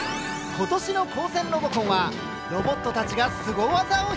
今年の「高専ロボコン」はロボットたちがすご技を披露。